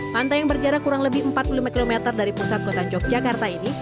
pantai yang berjarak kurang lebih empat puluh lima km dari pusat kota yogyakarta ini